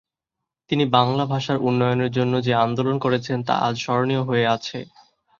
তিনি বাংলা ভাষার উন্নয়নের জন্য যে আন্দোলন করেছেন তা আজ স্মরণীয় হয়ে আছে।